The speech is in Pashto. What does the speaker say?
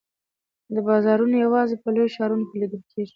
بازارونه یوازي په لویو ښارونو کې لیده کیږي.